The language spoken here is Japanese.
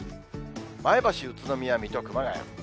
前橋、宇都宮、水戸、熊谷。